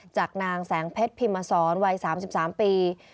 จากนางแสงเพชรพิมศรวัย๓๓ปี